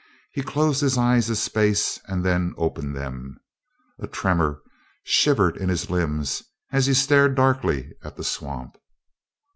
He closed his eyes a space and then opened them. A tremor shivered in his limbs as he stared darkly at the swamp.